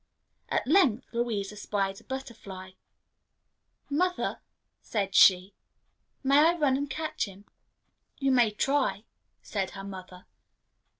At length Louisa spied a butterfly. "Mother," said she, "here's a butterfly. May I run and catch him?" "You may try," said her mother.